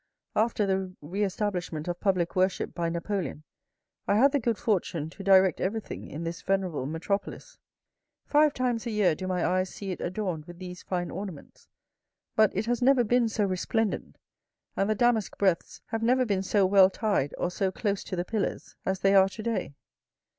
After the re establishment of public worship by Napoleon, I had the good fortune to direct everything in this venerable metropolis. Five times a year do my eyes see it adorned with these fine ornaments. But it has never been so resplendent, and the damask breadths have never been so well tied or so close to the pillars as they are to day."